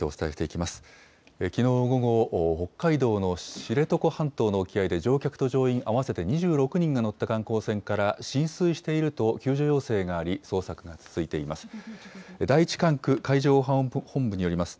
きのう午後、北海道の知床半島の沖合で乗客と乗員合わせて２６人が乗った観光船から浸水していると救助要請があり、捜索が続いています。